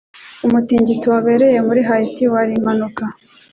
Umutingito wabereye muri Haiti wari impanuka.